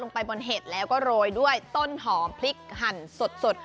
ไปบนเห็ดแล้วก็โรยด้วยต้นหอมพริกหั่นสด